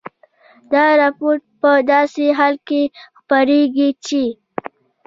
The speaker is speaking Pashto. دا راپور په داسې حال کې خپرېږي چې